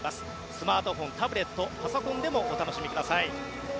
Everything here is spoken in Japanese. スマートフォン、タブレットパソコンでもお楽しみください。